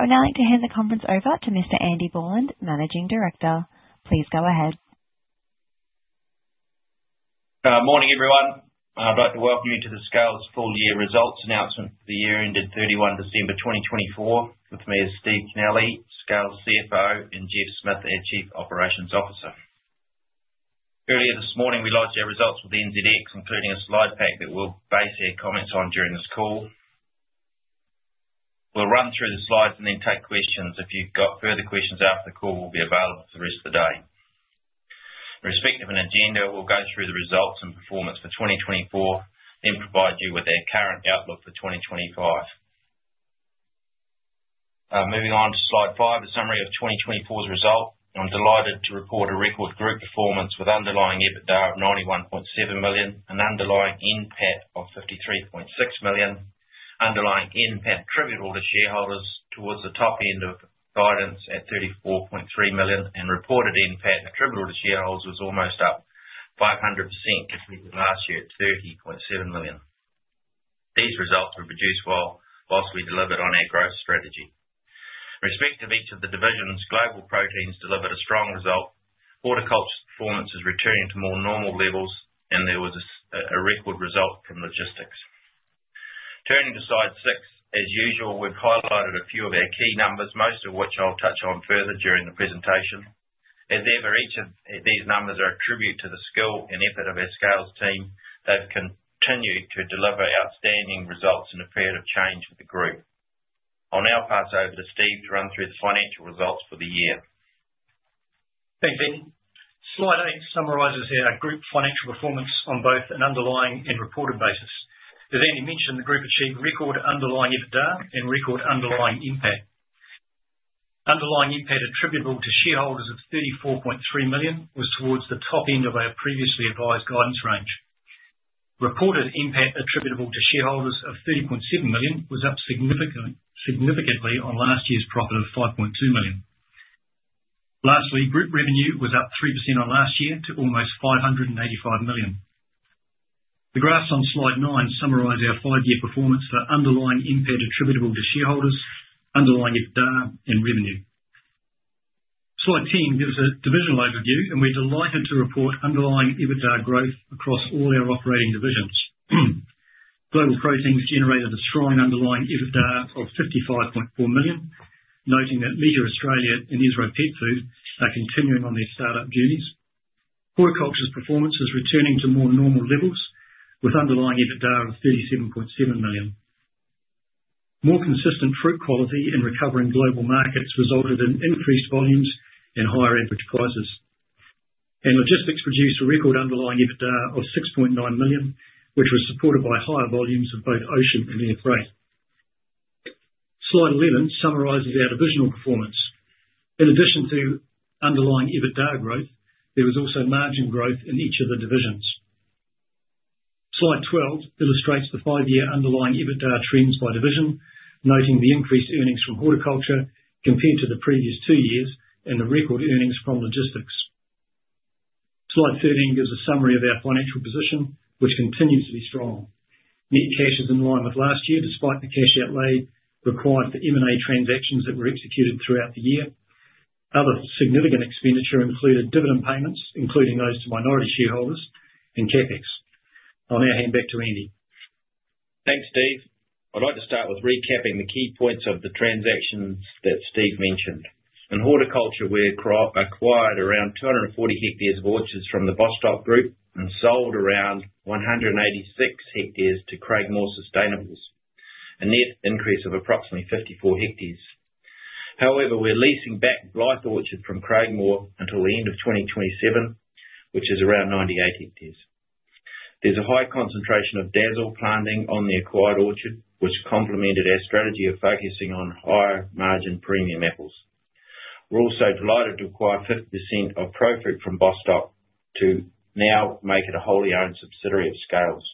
I would now like to hand the conference over to Mr. Andy Borland, Managing Director. Please go ahead. Good morning, everyone. I'd like to welcome you to the Scales full-year results announcement for the year ended 31 December 2024, with me as Steve Kennelly, Scales CFO, and Geoff Smith, our Chief Operations Officer. Earlier this morning, we launched our results with NZX, including a slide pack that we'll base our comments on during this call. We'll run through the slides and then take questions. If you've got further questions after the call, we'll be available for the rest of the day. Respecting an agenda, we'll go through the results and performance for 2024, then provide you with our current outlook for 2025. Moving on to slide five, a summary of 2024's results. I'm delighted to report a record group performance with underlying EBITDA of 91.7 million, an underlying NPAT of 53.6 million, underlying NPAT attributable to shareholders towards the top end of guidance at 34.3 million, and reported NPAT attributable to shareholders was almost up 500% compared to last year at 30.7 million. These results were produced while we delivered on our growth strategy. Regarding each of the divisions, Global Proteins delivered a strong result. Horticulture's performance is returning to more normal levels, and there was a record result from Logistics. Turning to slide six, as usual, we've highlighted a few of our key numbers, most of which I'll touch on further during the presentation. As ever, each of these numbers are a tribute to the skill and effort of our Scales team. They've continued to deliver outstanding results in a period of change for the group. I'll now pass over to Steve to run through the financial results for the year. Thanks, Andy. Slide eight summarizes our group financial performance on both an underlying and reported basis. As Andy mentioned, the group achieved record underlying EBITDA and record underlying NPAT. Underlying NPAT attributable to shareholders of 34.3 million was towards the top end of our previously advised guidance range. Reported NPAT attributable to shareholders of 30.7 million was up significantly on last year's profit of 5.2 million. Lastly, group revenue was up 3% on last year to almost 595 million. The graphs on slide nine summarize our five-year performance for underlying NPAT attributable to shareholders, underlying EBITDA, and revenue. Slide 10 gives a divisional overview, and we're delighted to report underlying EBITDA growth across all our operating divisions. Global Proteins generated a strong underlying EBITDA of 55.4 million, noting that Meateor Australia and Esro Petfood are continuing on their startup journeys. Horticulture's performance is returning to more normal levels with underlying EBITDA of 37.7 million. More consistent fruit quality and recovering global markets resulted in increased volumes and higher average prices, and Logistics produced a record underlying EBITDA of 6.9 million, which was supported by higher volumes of both ocean and air freight. Slide 11 summarizes our divisional performance. In addition to underlying EBITDA growth, there was also margin growth in each of the divisions. Slide 12 illustrates the five-year underlying EBITDA trends by division, noting the increased earnings from Horticulture compared to the previous two years and the record earnings from Logistics. Slide 13 gives a summary of our financial position, which continues to be strong. Net cash is in line with last year despite the cash outlay required for M&A transactions that were executed throughout the year. Other significant expenditure included dividend payments, including those to minority shareholders and CapEx. I'll now hand back to Andy. Thanks, Steve. I'd like to start with recapping the key points of the transactions that Steve mentioned. In Horticulture, we acquired around 240 hectares of orchards from the Bostock Group and sold around 186 hectares to Craigmore Sustainables, a net increase of approximately 54 hectares. However, we're leasing back Blyth Orchard from Craigmore until the end of 2027, which is around 98 hectares. There's a high concentration of Dazzle planting on the acquired orchard, which complemented our strategy of focusing on higher margin premium apples. We're also delighted to acquire 50% of Profruit from Bostock to now make it a wholly owned subsidiary of Scales.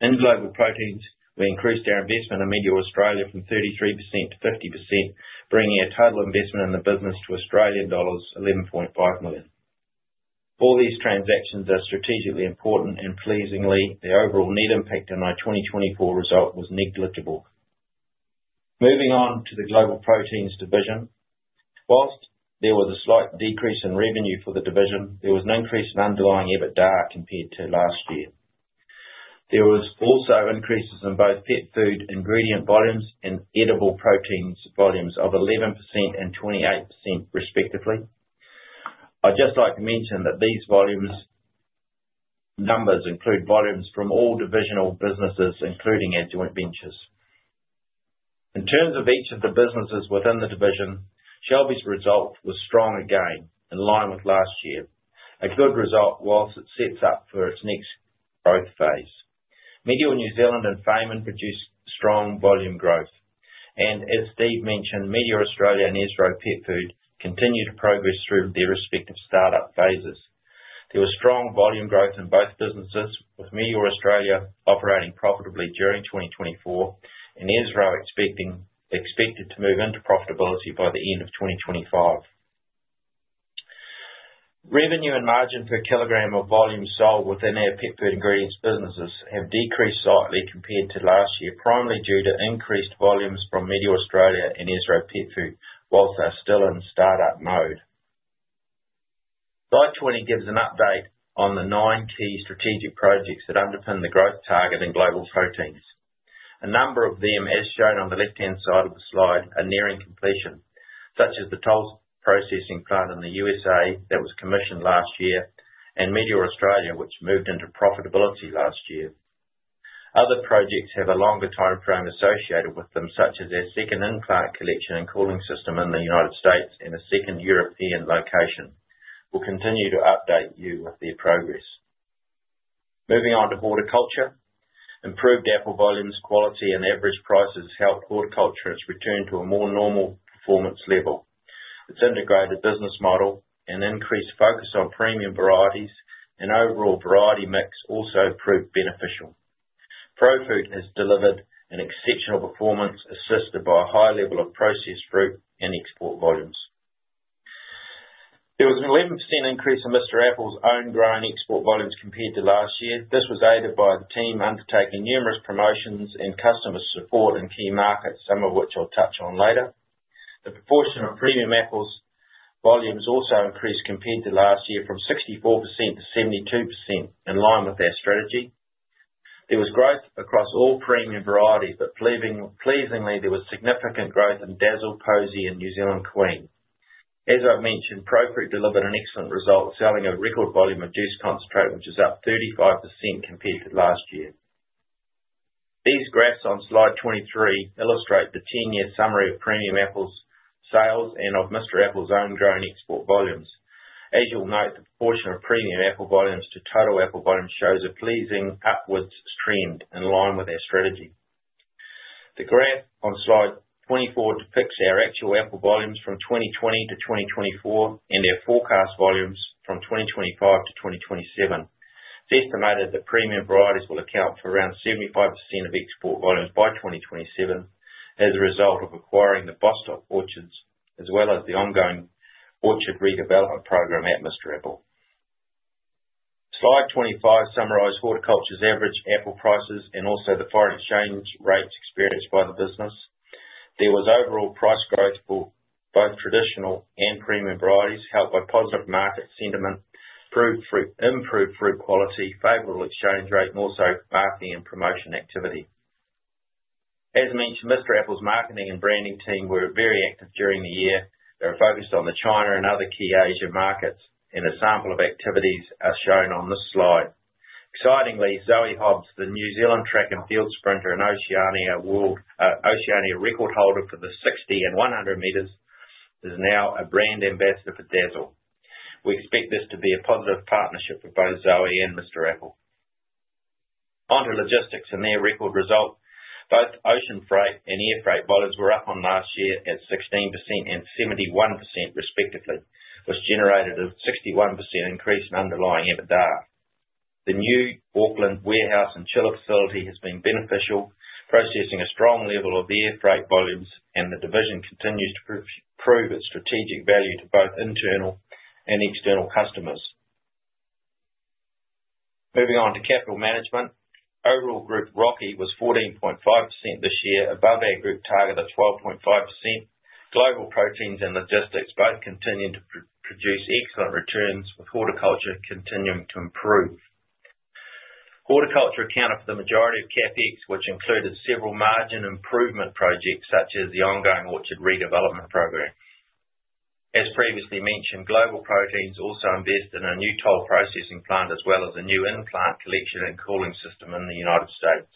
In Global Proteins, we increased our investment in Meateor Australia from 33% to 50%, bringing our total investment in the business to Australian dollars 11.5 million. All these transactions are strategically important, and pleasingly, the overall net impact on our 2024 result was negligible. Moving on to the Global Proteins division, while there was a slight decrease in revenue for the division, there was an increase in underlying EBITDA compared to last year. There were also increases in both Petfood ingredient volumes and edible proteins volumes of 11% and 28% respectively. I'd just like to mention that these volumes numbers include volumes from all divisional businesses, including our joint ventures. In terms of each of the businesses within the division, Shelby's result was strong again, in line with last year. A good result while it sets up for its next growth phase. Meateor New Zealand and Fayman produced strong volume growth, and as Steve mentioned, Meateor Australia and Esro Petfood continued to progress through their respective startup phases. There was strong volume growth in both businesses, with Meateor Australia operating profitably during 2024 and Esro expected to move into profitability by the end of 2025. Revenue and margin per kilogram of volume sold within our Petfood ingredients businesses have decreased slightly compared to last year, primarily due to increased volumes from Meateor Australia and Esro Petfood, whilst they're still in startup mode. Slide 20 gives an update on the nine key strategic projects that underpin the growth target in Global Proteins. A number of them, as shown on the left-hand side of the slide, are nearing completion, such as the Toll Processing Plant in the USA that was commissioned last year and Meateor Australia, which moved into profitability last year. Other projects have a longer time frame associated with them, such as our second in-plant collection and cooling system in the United States and a second European location. We'll continue to update you with their progress. Moving on to Horticulture, improved apple volumes, quality, and average prices helped Horticulture return to a more normal performance level. Its integrated business model and increased focus on premium varieties and overall variety mix also proved beneficial. Profruit has delivered an exceptional performance assisted by a high level of processed fruit and export volumes. There was an 11% increase in Mr Apple's own growing export volumes compared to last year. This was aided by the team undertaking numerous promotions and customer support in key markets, some of which I'll touch on later. The proportion of premium apples volumes also increased compared to last year from 64% to 72%, in line with our strategy. There was growth across all premium varieties, but pleasingly, there was significant growth in Dazzle, Posy, and New Zealand Queen. As I've mentioned, Profruit delivered an excellent result, selling a record volume of juice concentrate, which is up 35% compared to last year. These graphs on slide 23 illustrate the 10-year summary of premium apples sales and of Mr Apple's own growing export volumes. As you'll note, the proportion of premium apple volumes to total apple volumes shows a pleasing upwards trend in line with our strategy. The graph on slide 24 depicts our actual apple volumes from 2020-2024 and our forecast volumes from 2025-2027. It's estimated that premium varieties will account for around 75% of export volumes by 2027 as a result of acquiring the Bostock Orchards, as well as the ongoing orchard redevelopment program at Mr Apple. Slide 25 summarized horticulture's average apple prices and also the foreign exchange rates experienced by the business. There was overall price growth for both traditional and premium varieties, helped by positive market sentiment, improved fruit quality, favorable exchange rate, and also marketing and promotion activity. As mentioned, Mr Apple's marketing and branding team were very active during the year. They were focused on the China and other key Asia markets, and a sample of activities are shown on this slide. Excitingly, Zoe Hobbs, the New Zealand track and field sprinter and Oceania record holder for the 60 and 100 meters, is now a brand ambassador for Dazzle. We expect this to be a positive partnership for both Zoe and Mr Apple. Onto logistics and their record result. Both ocean freight and air freight volumes were up on last year at 16% and 71% respectively, which generated a 61% increase in underlying EBITDA. The new Auckland warehouse and chiller facility has been beneficial, processing a strong level of air freight volumes, and the division continues to prove its strategic value to both internal and external customers. Moving on to capital management, overall group ROCE was 14.5% this year, above our group target of 12.5%. Global Proteins and Logistics both continued to produce excellent returns, with Horticulture continuing to improve. Horticulture accounted for the majority of CapEx, which included several margin improvement projects such as the ongoing orchard redevelopment program. As previously mentioned, Global Proteins also invested in a new toll processing plant as well as a new in-plant collection and cooling system in the United States.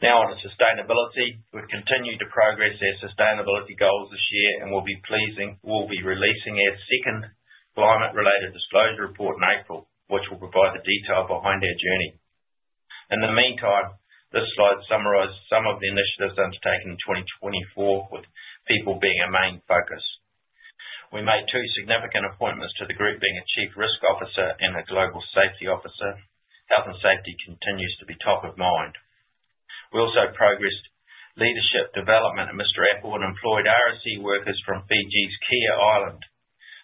Now, on to sustainability. We've continued to progress our sustainability goals this year and will be releasing our second climate-related disclosure report in April, which will provide the detail behind our journey. In the meantime, this slide summarizes some of the initiatives undertaken in 2024, with people being a main focus. We made two significant appointments to the group, being a Chief Risk Officer and a Global Safety Officer. Health and safety continues to be top of mind. We also progressed leadership development at Mr Apple and employed RSE workers from Fiji's Kia Island.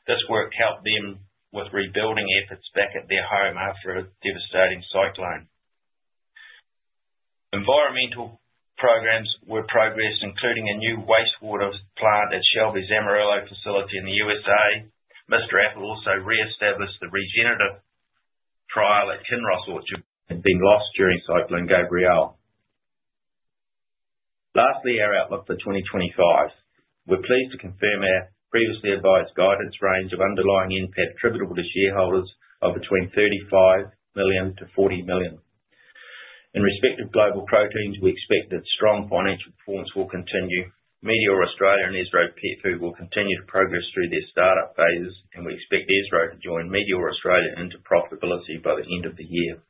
This work helped them with rebuilding efforts back at their home after a devastating cyclone. Environmental programs were progressed, including a new wastewater plant at Shelby's Amarillo facility in the USA. Mr Apple also re-established the regenerative trial at Kinross Orchard, which had been lost during Cyclone Gabrielle. Lastly, our outlook for 2025. We're pleased to confirm our previously advised guidance range of underlying NPAT attributable to shareholders of between 35 million to 40 million. In respect of Global Proteins, we expect that strong financial performance will continue. Meateor Australia and Esro Petfood will continue to progress through their startup phases, and we expect Esro to join Meateor Australia into profitability by the end of the year.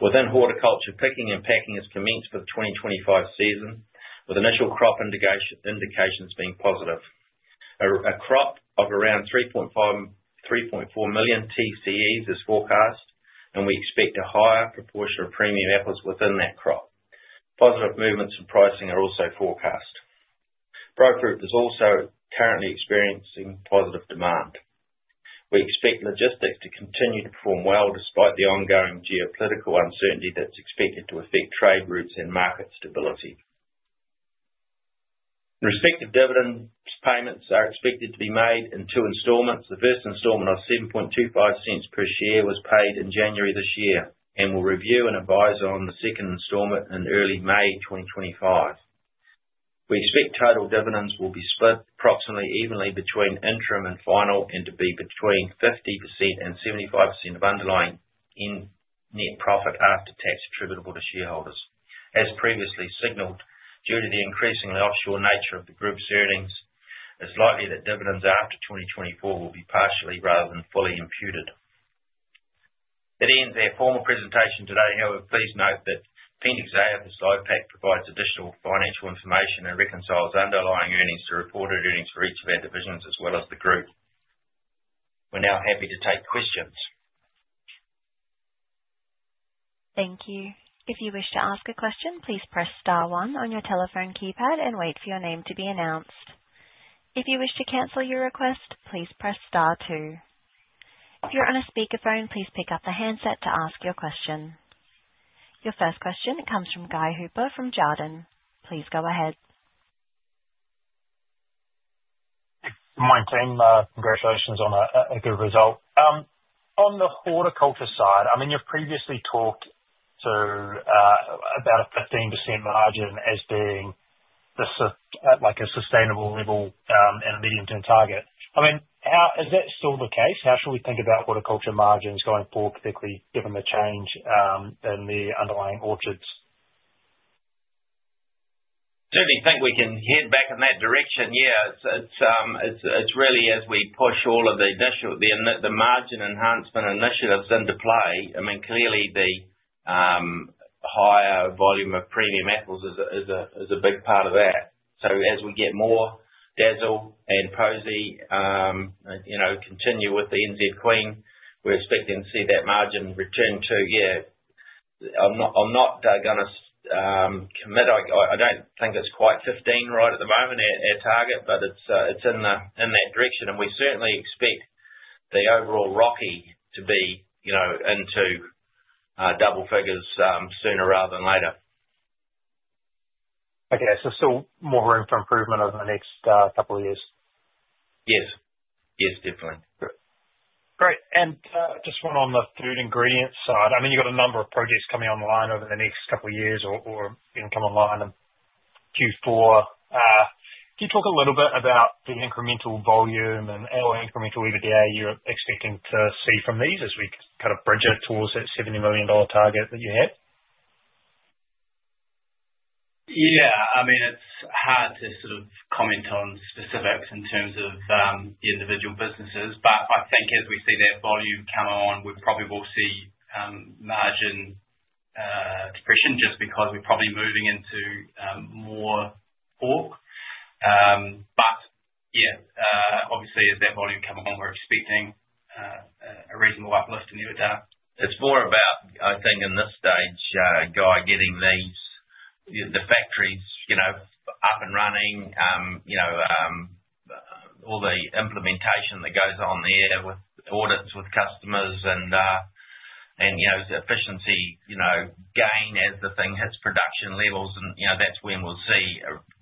Within Horticulture, picking and packing has commenced for the 2025 season, with initial crop indications being positive. A crop of around 3.5 to 3.4 million TCEs is forecast, and we expect a higher proportion of premium apples within that crop. Positive movements in pricing are also forecast. Profruit is also currently experiencing positive demand. We expect Logistics to continue to perform well despite the ongoing geopolitical uncertainty that's expected to affect trade routes and market stability. Respective dividend payments are expected to be made in two installments. The first installment of 0.0725 per share was paid in January this year and will review and advise on the second installment in early May 2025. We expect total dividends will be split approximately evenly between interim and final and to be between 50% and 75% of underlying net profit after tax attributable to shareholders. As previously signaled, due to the increasingly offshore nature of the group's earnings, it's likely that dividends after 2024 will be partially rather than fully imputed. That ends our formal presentation today. However, please note that the Appendix A of this slide pack provides additional financial information and reconciles underlying earnings to reported earnings for each of our divisions as well as the group. We're now happy to take questions. Thank you. If you wish to ask a question, please press star one on your telephone keypad and wait for your name to be announced. If you wish to cancel your request, please press star two. If you're on a speakerphone, please pick up the handset to ask your question. Your first question comes from Guy Hooper from Jarden. Please go ahead. Good morning, team. Congratulations on a good result. On the horticulture side, I mean, you've previously talked about a 15% margin as being a sustainable level and a medium-term target. I mean, is that still the case? How should we think about horticulture margins going forward, particularly given the change in the underlying orchards? Certainly, I think we can head back in that direction. Yeah, it's really as we push all of the margin enhancement initiatives into play. I mean, clearly, the higher volume of premium apples is a big part of that. So as we get more Dazzle and Posy, continue with the NZ Queen, we're expecting to see that margin return to, yeah, I'm not going to commit. I don't think it's quite 15 right at the moment, our target, but it's in that direction. And we certainly expect the overall ROCE to be into double figures sooner rather than later. Okay, so still more room for improvement over the next couple of years? Yes. Yes, definitely. Great. And just one on the food ingredients side. I mean, you've got a number of projects coming on the line over the next couple of years or come online in Q4. Can you talk a little bit about the incremental volume and incremental EBITDA you're expecting to see from these as we kind of bridge it towards that 70 million dollar target that you had? Yeah, I mean, it's hard to sort of comment on specifics in terms of the individual businesses, but I think as we see that volume come on, we probably will see margin depreciation just because we're probably moving into more pork. But yeah, obviously, as that volume comes on, we're expecting a reasonable uplift in EBITDA. It's more about, I think, in this stage, Guy, getting the factories up and running, all the implementation that goes on there with audits with customers and efficiency gain as the thing hits production levels. That's when we'll see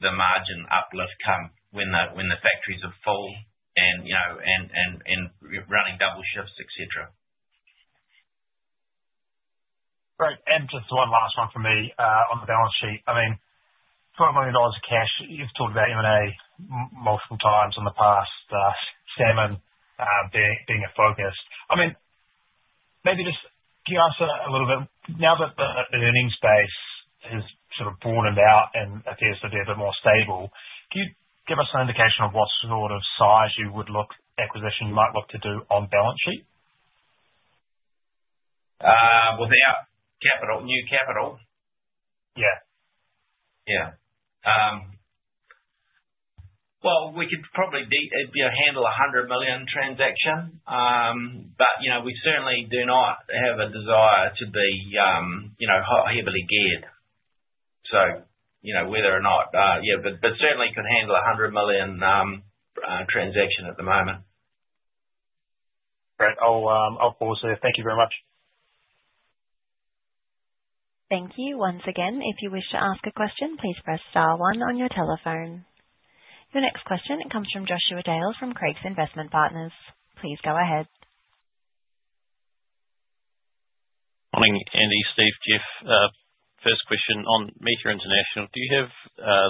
the margin uplift come when the factories are full and running double shifts, etc. Great. And just one last one for me on the balance sheet. I mean, 12 million dollars of cash, you've talked about M&A multiple times in the past, Salmon being a focus. I mean, maybe just can you answer a little bit? Now that the earnings base has sort of broadened out and appears to be a bit more stable, can you give us an indication of what sort of size you would look, acquisition you might look to do on balance sheet? Without new capital? Yeah. Yeah. Well, we could probably handle a 100 million transaction, but we certainly do not have a desire to be heavily geared. So whether or not, yeah, but certainly could handle a 100 million transaction at the moment. Great. I'll pause there. Thank you very much. Thank you. Once again, if you wish to ask a question, please press star one on your telephone. Your next question comes from Joshua Dale from Craigs Investment Partners. Please go ahead. Morning, Andy, Steve, Geoff. First question on Meateor International. Do you have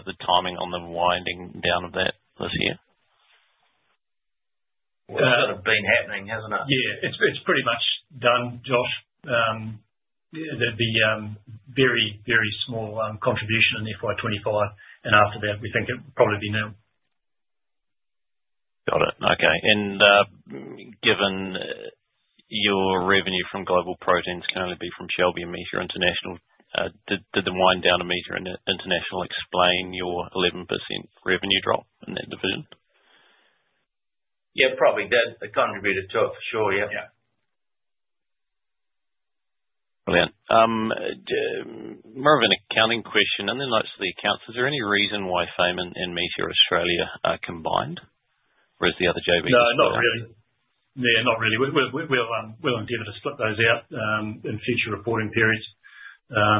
the timing on the winding down of that this year? Well, that's sort of been happening, hasn't it? Yeah, it's pretty much done, Joshua. That'd be a very, very small contribution in the FY 2025, and after that, we think it would probably be nil. Got it. Okay. And given your revenue from Global Proteins can only be from Shelby and Meateor International, did the wind down of Meateor International explain your 11% revenue drop in that division? Yeah, probably contributed to it for sure. Yeah. Brilliant. More of an accounting question, and then lots of the accounts. Is there any reason why Fayman and Meateor Australia are combined, whereas the other JVs? No, not really. Yeah, not really. We'll endeavor to split those out in future reporting periods.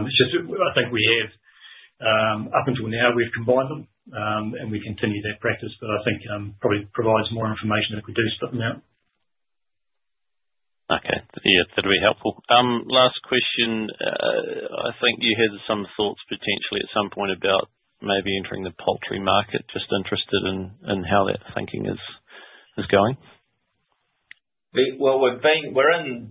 It's just, I think, we have up until now, we've combined them, and we continue that practice, but I think probably provides more information if we do split them out. Okay. Yeah, that'd be helpful. Last question. I think you had some thoughts potentially at some point about maybe entering the poultry market. Just interested in how that thinking is going. We're in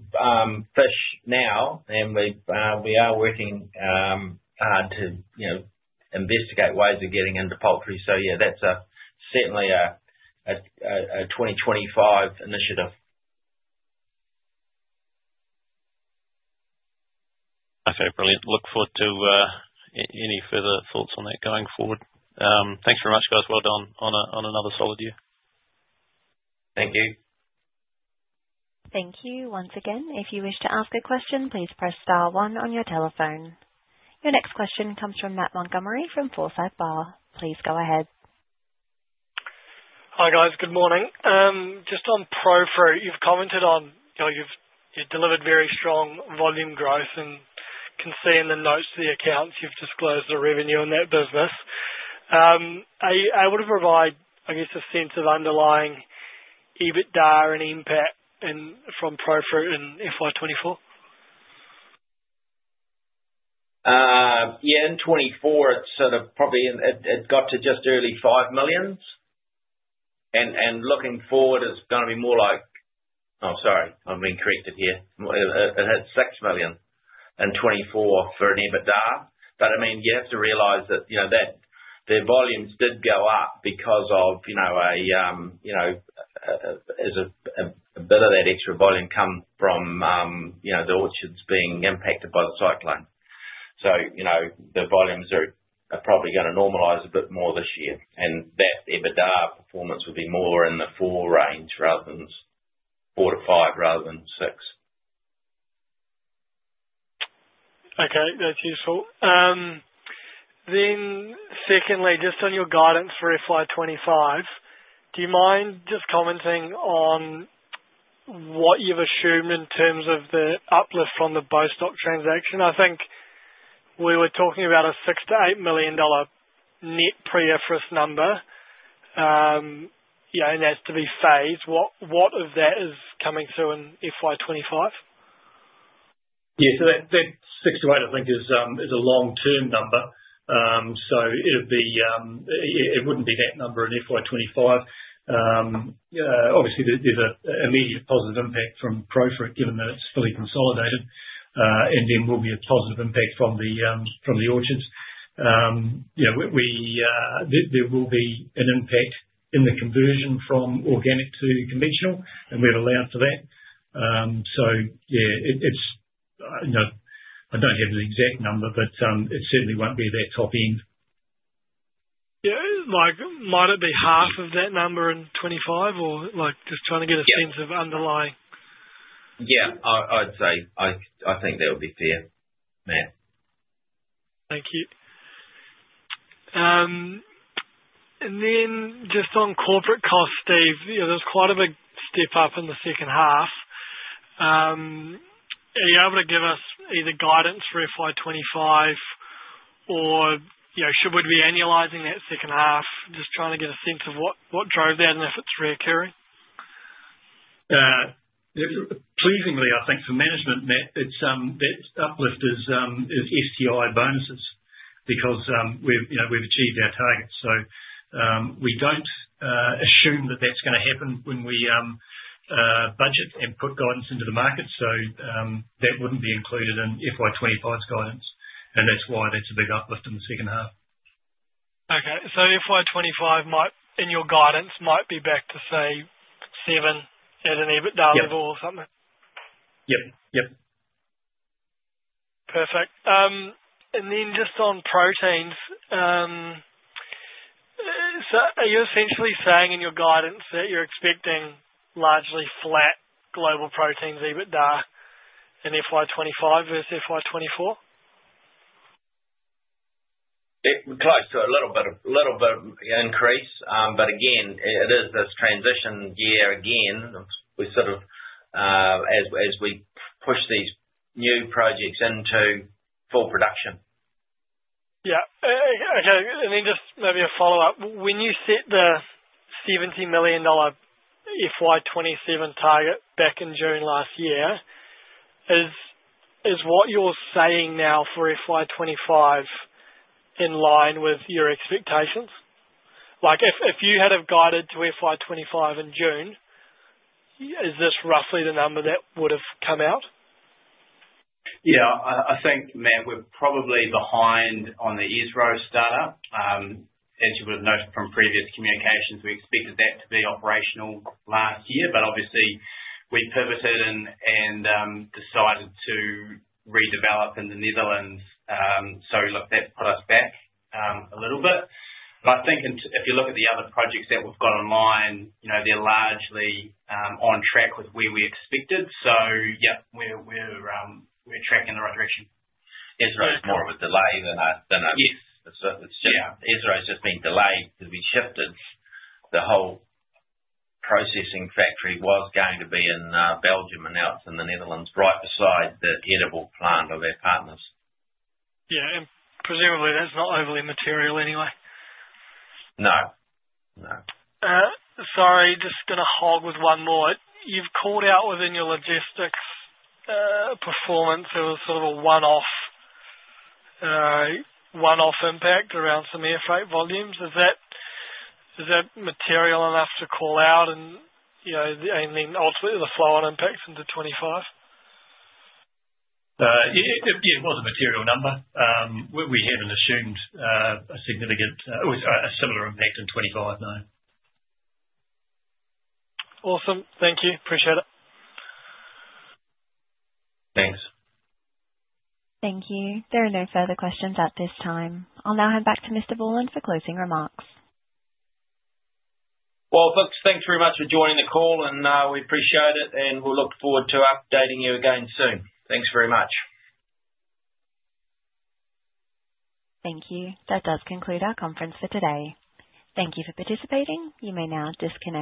fish now, and we are working hard to investigate ways of getting into poultry, so yeah, that's certainly a 2025 initiative. Okay. Brilliant. Look forward to any further thoughts on that going forward. Thanks very much, guys. Well done on another solid year. Thank you. Thank you. Once again, if you wish to ask a question, please press star one on your telephone. Your next question comes from Matt Montgomerie from Forsyth Barr. Please go ahead. Hi guys. Good morning. Just on Profruit, you've commented on you've delivered very strong volume growth, and can see in the notes to the accounts you've disclosed the revenue in that business. Are you able to provide, I guess, a sense of underlying EBITDA and impact from Profruit in FY 2024? Yeah, in 2024, it's sort of probably it got to just early 5 million. And looking forward, it's going to be more like, oh, sorry, I'm being corrected here. It hit 6 million in 2024 for an EBITDA. But I mean, you have to realize that their volumes did go up because as a bit of that extra volume come from the orchards being impacted by the cyclone. So the volumes are probably going to normalize a bit more this year, and that EBITDA performance will be more in the 4 million range rather than 4 million-5 million rather than 6 million. Okay. That's useful. Then secondly, just on your guidance for FY 2025, do you mind just commenting on what you've assumed in terms of the uplift from the Bostock transaction? I think we were talking about a 6 million-8 million dollar net pre-tax number, and that's to be phased. What of that is coming through in FY 2025? Yeah. So that 6-8, I think, is a long-term number. So it wouldn't be that number in FY 2025. Obviously, there's an immediate positive impact from Profruit given that it's fully consolidated, and then will be a positive impact from the orchards. There will be an impact in the conversion from organic to conventional, and we've allowed for that. So yeah, I don't have the exact number, but it certainly won't be that top end. Yeah. Might it be half of that number in 2025? Or just trying to get a sense of underlying? Yeah. I'd say I think that would be fair, Matt. Thank you. And then just on corporate costs, Steve, there's quite a big step up in the second half. Are you able to give us either guidance for FY 2025, or should we be analysing that second half? Just trying to get a sense of what drove that and if it's recurring. Pleasingly, I think for management, Matt, that uplift is STI bonuses because we've achieved our targets, so we don't assume that that's going to happen when we budget and put guidance into the market, so that wouldn't be included in FY 2025's guidance, and that's why that's a big uplift in the second half. Okay. So FY 2025 in your guidance might be back to, say, seven at an EBITDA level or something? Yep. Yep. Perfect. And then just on proteins, are you essentially saying in your guidance that you're expecting largely flat Global Proteins EBITDA in FY 2025 versus FY 2024? Close to a little bit of increase, but again, it is this transition year again as we push these new projects into full production. Yeah. Okay. And then just maybe a follow-up. When you set the 70 million dollar FY 2027 target back in June last year, is what you're saying now for FY 2025 in line with your expectations? If you had a guidance for FY 2025 in June, is this roughly the number that would have come out? Yeah. I think, Matt, we're probably behind on the Esro startup. As you would have noted from previous communications, we expected that to be operational last year, but obviously, we pivoted and decided to redevelop in the Netherlands, so look, that put us back a little bit, but I think if you look at the other projects that we've got online, they're largely on track with where we expected, so yeah, we're tracking the right direction. Esro is more of a delay than us. Esro has just been delayed because we shifted. The whole processing factory was going to be in Belgium, and now it's in the Netherlands right beside the edible plant of our partners. Yeah, and presumably, that's not overly material anyway. No. No. Sorry. Just going to hit you with one more. You've called out within your logistics performance, there was sort of a one-off impact around some air freight volumes. Is that material enough to call out and then ultimately the flow-on impacts into 2025? Yeah, it was a material number. We hadn't assumed a significant or a similar impact in 2025, no. Awesome. Thank you. Appreciate it. Thanks. Thank you. There are no further questions at this time. I'll now hand back to Mr. Borland for closing remarks. Folks, thanks very much for joining the call, and we appreciate it, and we'll look forward to updating you again soon. Thanks very much. Thank you. That does conclude our conference for today. Thank you for participating. You may now disconnect.